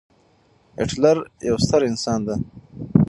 هېټلر يو ستر انسان دی.